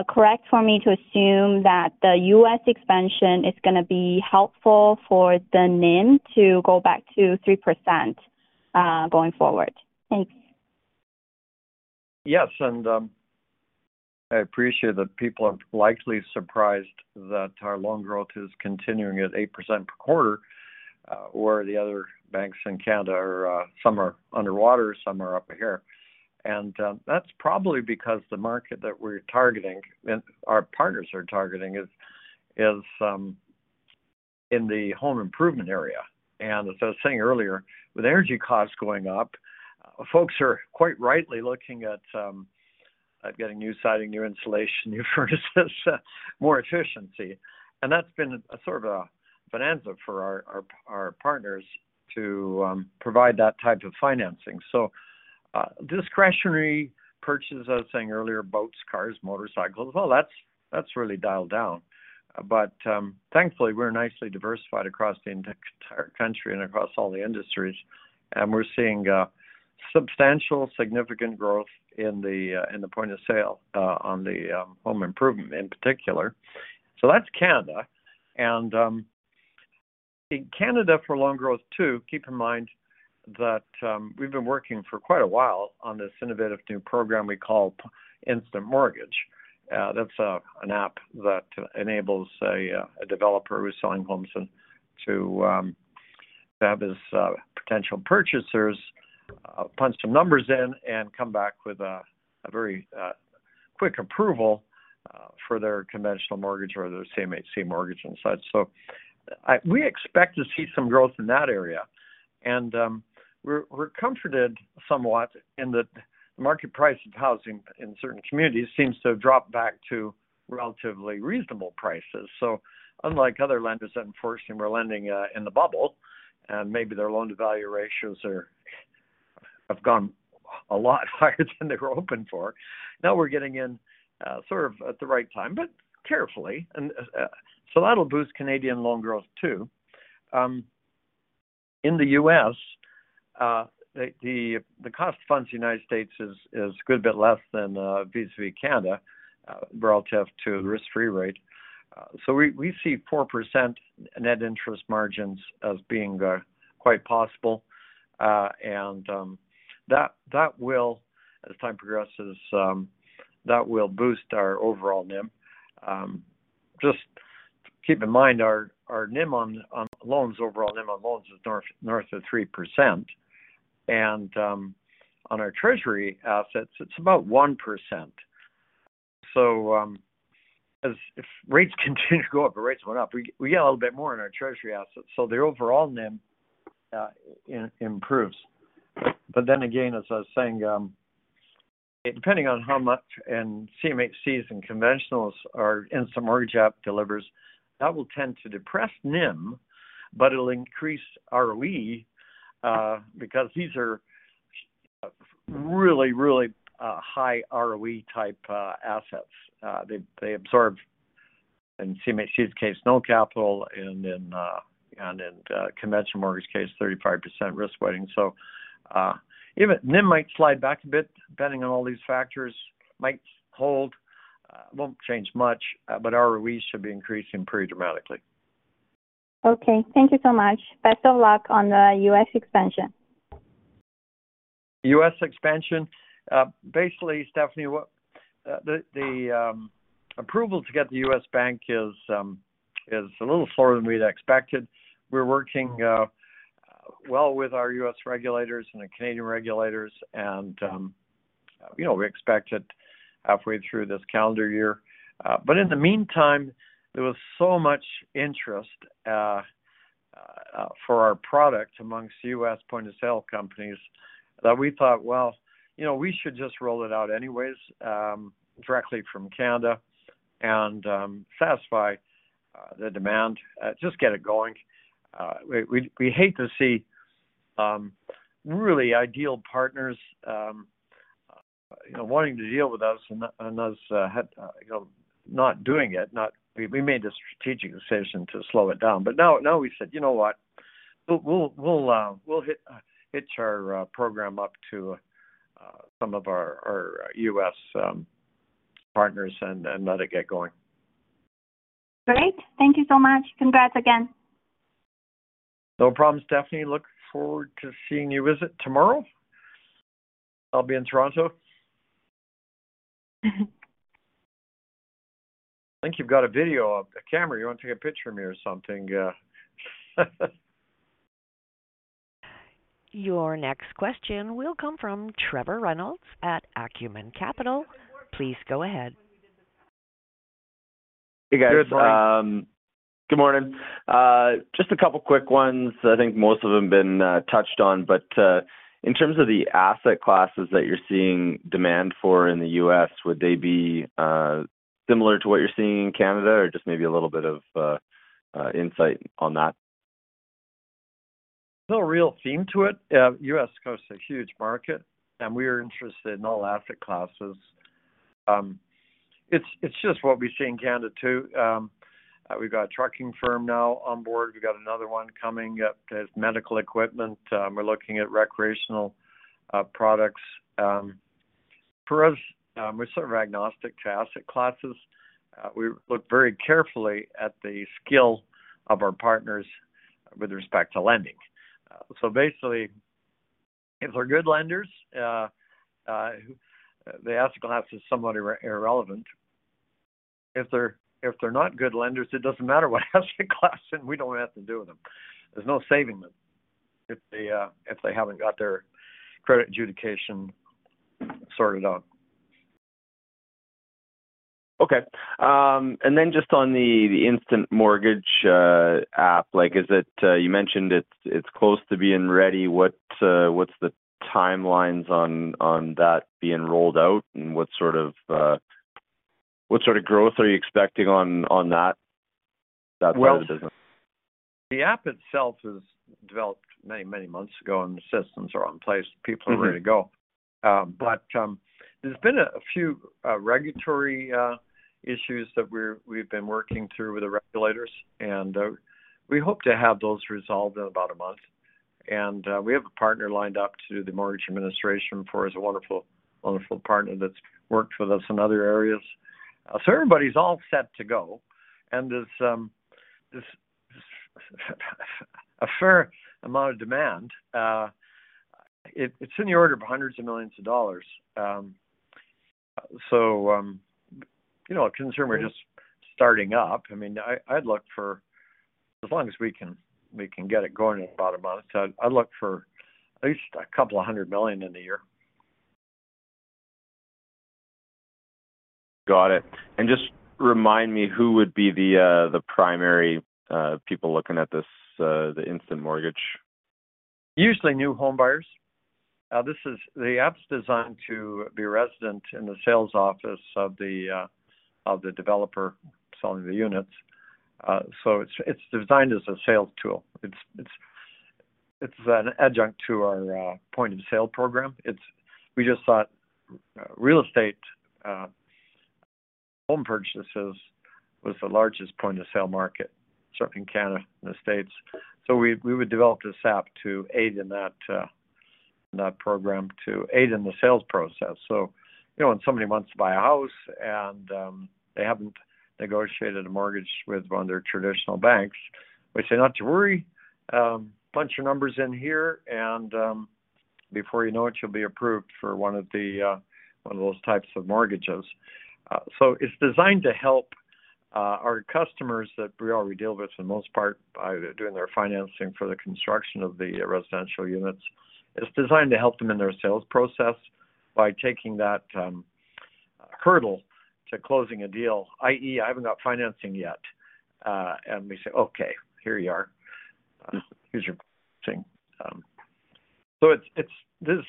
correct for me to assume that the U.S. expansion is gonna be helpful for the NIM to go back to 3% going forward? Thanks. Yes. I appreciate that people are likely surprised that our loan growth is continuing at 8% per quarter, where the other banks in Canada are, some are underwater, some are up here. That's probably because the market that we're targeting and our partners are targeting is in the home improvement area. As I was saying earlier, with energy costs going up, folks are quite rightly looking at getting new siding, new insulation, new furnaces, more efficiency. That's been a sort of a bonanza for our partners to provide that type of financing. Discretionary purchases, I was saying earlier, boats, cars, motorcycles, well, that's really dialed down. Thankfully, we're nicely diversified across the entire country and across all the industries, and we're seeing substantial significant growth in the point of sale on the home improvement in particular. That's Canada. In Canada for loan growth too, keep in mind that we've been working for quite a while on this innovative new program we call Instant Mortgage. That's an app that enables a developer who's selling homes and to have his potential purchasers punch some numbers in and come back with a very quick approval for their conventional mortgage or their CMHC mortgage and such. We expect to see some growth in that area. We're comforted somewhat in that the market price of housing in certain communities seems to have dropped back to relatively reasonable prices. Unlike other lenders that unfortunately were lending in the bubble, and maybe their loan-to-value ratios have gone a lot higher than they were hoping for. Now we're getting in sort of at the right time, but carefully. That'll boost Canadian loan growth too. In the U.S., the cost of funds in the United States is a good bit less than vis-a-vis Canada, relative to risk-free rate. We see 4% net interest margins as being quite possible. That will, as time progresses, that will boost our overall NIM. Just keep in mind our NIM on loans, overall NIM on loans is north of 3%. On our treasury assets, it's about 1%. If rates continue to go up, the rates went up, we get a little bit more in our treasury assets, so the overall NIM improves. Again, as I was saying, depending on how much and CMHCs and conventionals our Instant Mortgage app delivers, that will tend to depress NIM, but it'll increase ROE because these are really, really high ROE type assets. They absorb. In CMHC's case, no capital, and then in conventional mortgage case, 35% risk weighting. Even NIM might slide back a bit depending on all these factors, might hold, won't change much, but our ROEs should be increasing pretty dramatically. Okay. Thank you so much. Best of luck on the U.S. expansion. U.S. expansion. Basically, Stephanie, the approval to get the U.S. bank is a little slower than we'd expected. We're working well with our U.S. regulators and the Canadian regulators and, you know, we expect it halfway through this calendar year. In the meantime, there was so much interest for our product amongst U.S. point-of-sale companies that we thought, "Well, you know, we should just roll it out anyways, directly from Canada and satisfy the demand, just get it going." We hate to see really ideal partners, you know, wanting to deal with us and us had, you know, not doing it. We made the strategic decision to slow it down. Now we said, "You know what? We'll hitch our program up to some of our U.S. partners and let it get going. Great. Thank you so much. Congrats again. No problem, Stephanie. Look forward to seeing you. Is it tomorrow? I'll be in Toronto. I think you've got a video up, a camera. You wanna take a picture of me or something? Your next question will come from Trevor Reynolds at Acumen Capital. Please go ahead. Good morning. Hey, guys. good morning. just a couple quick ones. I think most of them been touched on. In terms of the asset classes that you're seeing demand for in the U.S., would they be similar to what you're seeing in Canada or just maybe a little bit of insight on that? No real theme to it. U.S. coast is a huge market, and we are interested in all asset classes. It's just what we see in Canada too. We've got a trucking firm now on board. We've got another one coming up. There's medical equipment. We're looking at recreational products. For us, we're sort of agnostic to asset classes. We look very carefully at the skill of our partners with respect to lending. Basically, if they're good lenders, the asset class is somewhat irrelevant. If they're not good lenders, it doesn't matter what asset class and we don't have to do them. There's no saving them if they haven't got their credit adjudication sorted out. Just on the Instant Mortgage app. You mentioned it's close to being ready. What's the timelines on that being rolled out, and what sort of growth are you expecting on that side of the business? Well, the app itself is developed many, many months ago, and the systems are in place. People are ready to go. There's been a few regulatory issues that we've been working through with the regulators, we hope to have those resolved in about one month. We have a partner lined up to the mortgage administration for. Is a wonderful partner that's worked with us in other areas. Everybody's all set to go. There's a fair amount of demand. It's in the order of hundreds of millions of dollars. You know, considering we're just starting up, I mean, I'd look for as long as we can, we can get it going in about one month. I'd look for at least a couple of hundred million CAD in one year. Got it. Just remind me who would be the primary, people looking at this, the Instant Mortgage? Usually new home buyers. The app's designed to be resident in the sales office of the developer selling the units. It's designed as a sales tool. It's an adjunct to our point-of-sale program. We just thought real estate home purchases was the largest point-of-sale market, certainly in Canada and the States. We would develop this app to aid in that program, to aid in the sales process. You know, when somebody wants to buy a house and they haven't negotiated a mortgage with one of their traditional banks, we say, "Not to worry. Punch your numbers in here, and before you know it, you'll be approved for one of the one of those types of mortgages. It's designed to help our customers that we already deal with for the most part by doing their financing for the construction of the residential units. It's designed to help them in their sales process by taking that hurdle to closing a deal, i.e., "I haven't got financing yet." We say, "Okay, here you are. Here's your thing." It's, this,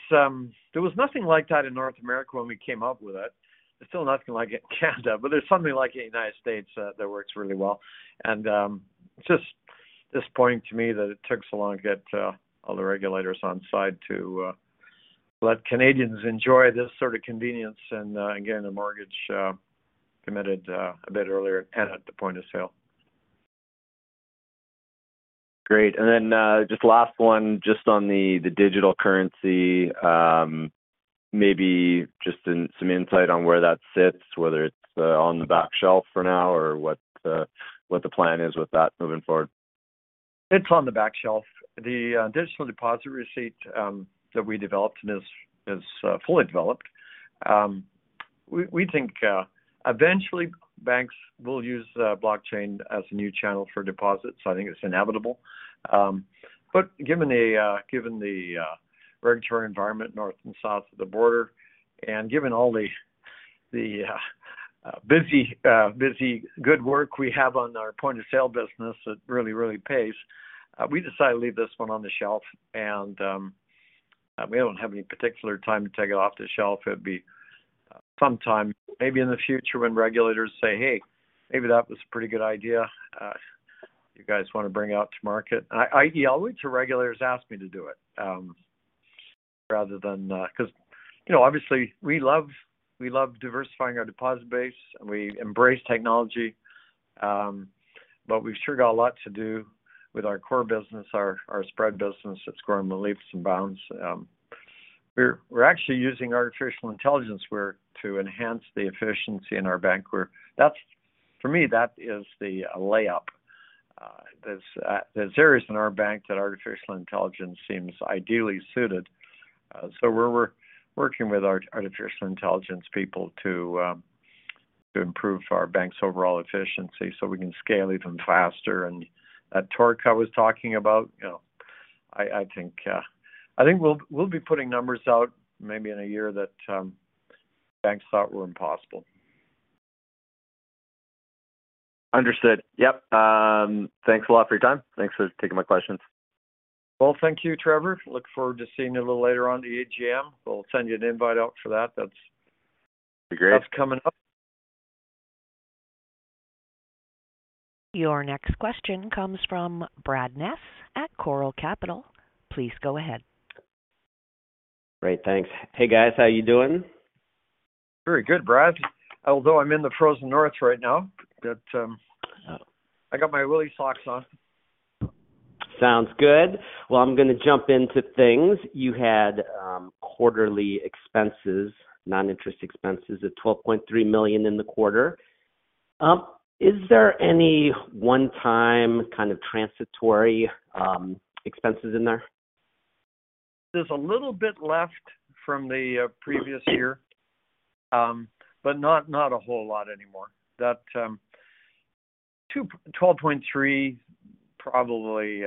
there was nothing like that in North America when we came up with it. There's still nothing like it in Canada, but there's something like it in the United States that works really well. It's just disappointing to me that it took so long to get all the regulators on side to let Canadians enjoy this sort of convenience and again, a mortgage committed a bit earlier and at the point of sale. Great. Then, just last one, just on the digital currency, maybe just some insight on where that sits, whether it's, on the back shelf for now or what the, what the plan is with that moving forward? It's on the back shelf. The Digital Deposit Receipt that we developed and is fully developed, we think eventually banks will use blockchain as a new channel for deposits. I think it's inevitable. Given the regulatory environment north and south of the border and given all the busy good work we have on our point of sale business that really pays, we decided to leave this one on the shelf and we don't have any particular time to take it off the shelf. It'd be sometime maybe in the future when regulators say, "Hey, maybe that was a pretty good idea. You guys want to bring it out to market?" Yeah, I'll wait till regulators ask me to do it rather than, you know, obviously we love diversifying our deposit base, and we embrace technology. We've sure got a lot to do with our core business, our spread business that's growing by leaps and bounds. We're actually using artificial intelligence where to enhance the efficiency in our bank. For me, that is the layup. There's areas in our bank that artificial intelligence seems ideally suited. We're working with our artificial intelligence people to improve our bank's overall efficiency so we can scale even faster. That torque I was talking about, you know, I think we'll be putting numbers out maybe in a year that banks thought were impossible. Understood. Yep. Thanks a lot for your time. Thanks for taking my questions. Well, thank you, Trevor. Look forward to seeing you a little later on the AGM. We'll send you an invite out for that. That'd be great. That's coming up. Your next question comes from Brad Ness at Choral Capital. Please go ahead. Great. Thanks. Hey, guys. How you doing? Very good, Brad. Although I'm in the frozen north right now, but I got my woolly socks on. Sounds good. Well, I'm gonna jump into things. You had quarterly expenses, non-interest expenses of 12.3 million in the quarter. Is there any one-time kind of transitory expenses in there? There's a little bit left from the previous year, but not a whole lot anymore. That 12.3 million probably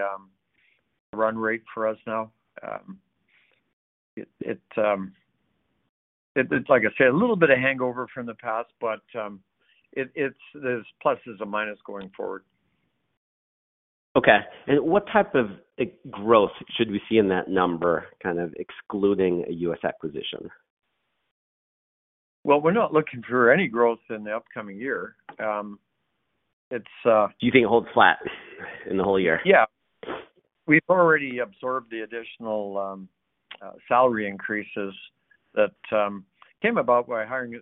run rate for us now. It's like I say, a little bit of hangover from the past, but it's there's pluses and minus going forward. Okay. What type of growth should we see in that number, kind of excluding a U.S. acquisition? We're not looking for any growth in the upcoming year. Do you think it holds flat in the whole year? Yeah. We've already absorbed the additional salary increases that came about by hiring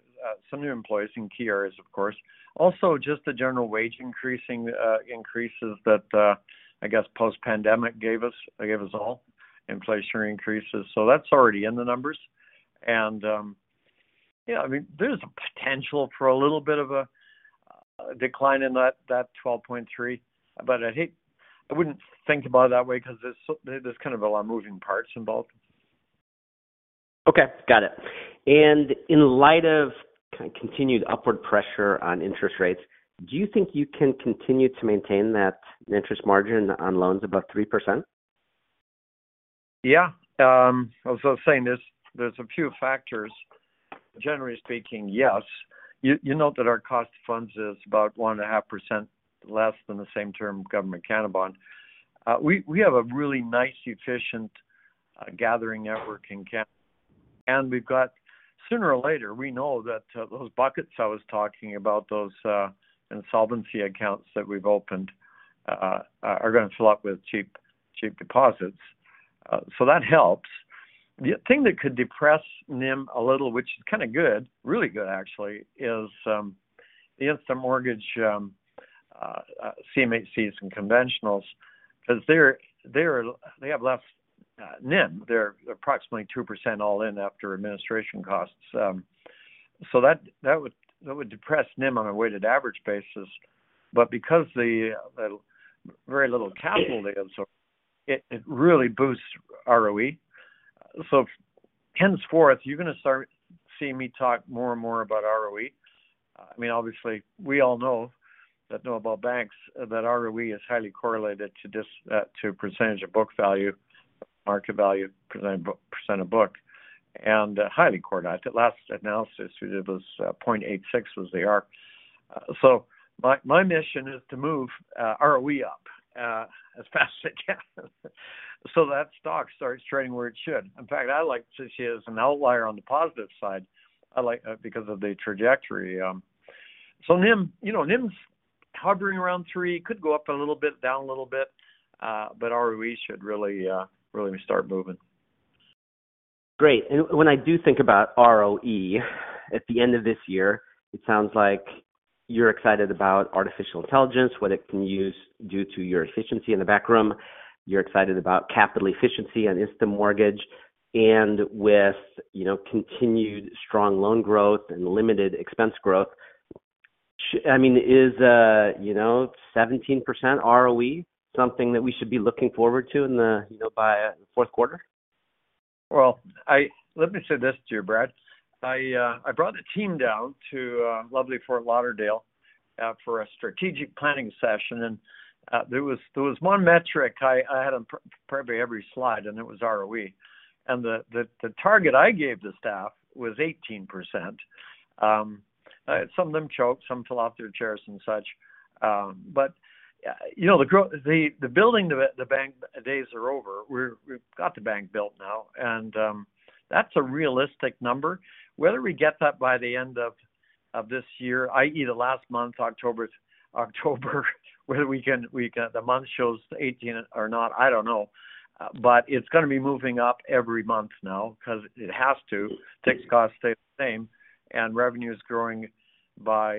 some new employees in key areas, of course. Also, just the general wage increasing increases that I guess post-pandemic gave us all, inflationary increases. That's already in the numbers. Yeah, I mean, there's a potential for a little bit of a decline in that 12.3 million. I think I wouldn't think about it that way because there's kind of a lot of moving parts involved. Okay. Got it. In light of continued upward pressure on interest rates, do you think you can continue to maintain that interest margin on loans above 3%? I was saying there's a few factors. Generally speaking, yes. You note that our cost of funds is about 1.5% less than the same term Government Canada bond. We have a really nice, efficient gathering network in Canada. We've got sooner or later, we know that those buckets I was talking about, those insolvency accounts that we've opened, are gonna fill up with cheap deposits. That helps. The thing that could depress NIM a little, which is kinda good, really good actually, is the mortgage CMHCs and conventionals, 'cause they have less NIM. They're approximately 2% all in after administration costs. That would depress NIM on a weighted average basis. Because the very little capital they absorb, it really boosts ROE. Henceforth, you're gonna start seeing me talk more and more about ROE. I mean, obviously, we all know about banks, that ROE is highly correlated to this, to percentage of book value, market value, percent of book, and highly correlated. The last analysis we did was 0.86 was the ROE. My mission is to move ROE up as fast as I can so that stock starts trading where it should. In fact, I like to see it as an outlier on the positive side, because of the trajectory. NIM, you know, NIM's hovering around 3%, could go up a little bit, down a little bit. ROE should really start moving. Great. When I do think about ROE at the end of this year, it sounds like you're excited about artificial intelligence, what it can use due to your efficiency in the back room. You're excited about capital efficiency and Instant Mortgage and with, you know, continued strong loan growth and limited expense growth. I mean, is, you know, 17% ROE something that we should be looking forward to in the, you know, by Q4? Well, let me say this to you, Brad. I brought the team down to lovely Fort Lauderdale for a strategic planning session. There was one metric I had on probably every slide, and it was ROE. The building the bank days are over. We've got the bank built now. That's a realistic number. Whether we get that by the end of this year, i.e., the last month, October, whether the month shows 18 or not, I don't know. It's gonna be moving up every month now because it has to. Fixed costs stay the same, revenue is growing by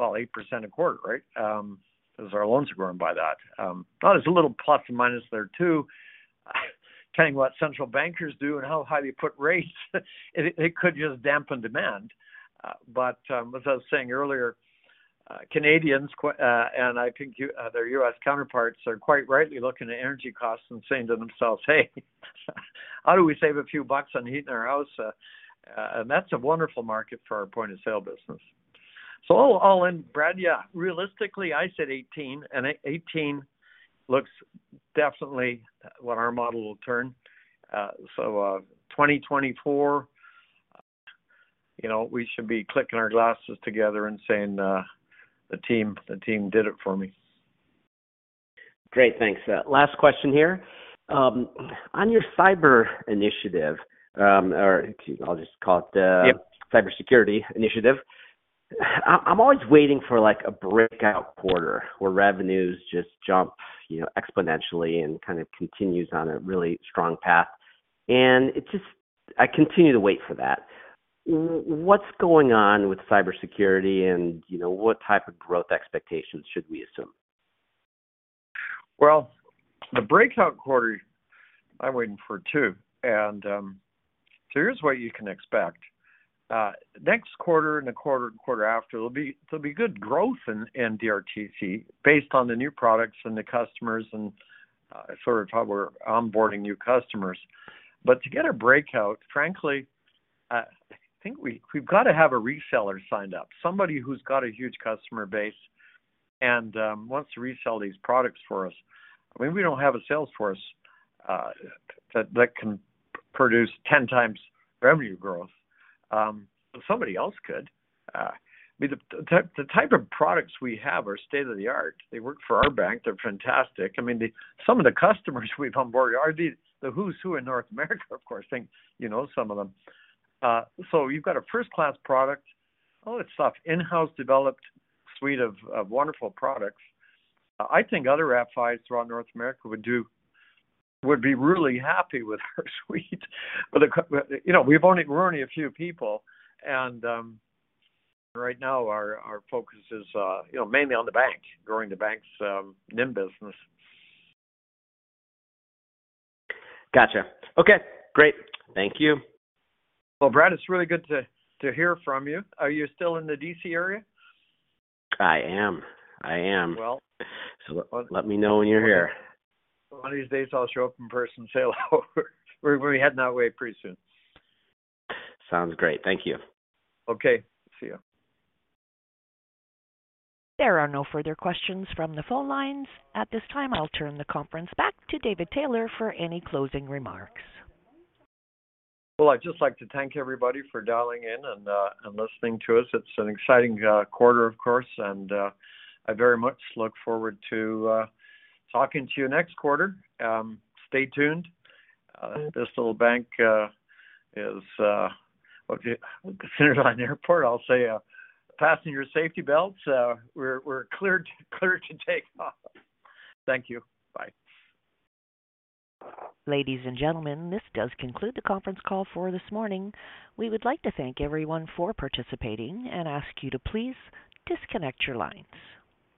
8% a quarter, right? As our loans are growing by that. There's a little plus and minus there too. Depending what central bankers do and how high they put rates, it could just dampen demand. As I was saying earlier, Canadians and I think your their U.S. counterparts are quite rightly looking at energy costs and saying to themselves, "Hey, how do we save a few bucks on heating our house?" That's a wonderful market for our point-of-sale business. All in, Brad, yeah. Realistically, I said 18, and 18 looks definitely what our model will turn. 2024, you know, we should be clicking our glasses together and saying, the team did it for me. Great. Thanks. Last question here. On your cyber initiative, or I'll just call it cybersecurity initiative. I'm always waiting for, like, a breakout quarter where revenues just jump, you know, exponentially and kind of continues on a really strong path. It just. I continue to wait for that. What's going on with cybersecurity and, you know, what type of growth expectations should we assume? The breakout quarter, I'm waiting for it too. Here's what you can expect. Next quarter and the quarter and quarter after, there'll be good growth in DRTC based on the new products and the customers and sort of how we're onboarding new customers. To get a breakout, frankly, I think we've got to have a reseller signed up, somebody who's got a huge customer base and wants to resell these products for us. I mean, we don't have a sales force that can produce 10x revenue growth, but somebody else could. I mean, the type of products we have are state-of-the-art. They work for our bank. They're fantastic. I mean, some of the customers we've onboarded are the who's who in North America, of course. Think you know some of them. You've got a first-class product. All that stuff, in-house developed suite of wonderful products. I think other FI throughout North America would be really happy with our suite. You know, we're only a few people. Right now our focus is, you know, mainly on the bank, growing the bank's NIM business. Gotcha. Okay, great. Thank you. Well, Brad, it's really good to hear from you. Are you still in the D.C. area? I am. Well. Let me know when you're here. One of these days I'll show up in person, say hello. We're heading that way pretty soon. Sounds great. Thank you. Okay. See ya. There are no further questions from the phone lines. At this time, I'll turn the conference back to David Taylor for any closing remarks. Well, I'd just like to thank everybody for dialing in and listening to us. It's an exciting quarter, of course, and I very much look forward to talking to you next quarter. Stay tuned. This little bank is, okay, considered on the airport, I'll say, fasten your safety belts, we're cleared to take off. Thank you. Bye. Ladies and gentlemen, this does conclude the conference call for this morning. We would like to thank everyone for participating and ask you to please disconnect your lines.